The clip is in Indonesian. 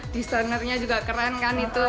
desainernya juga keren kan itu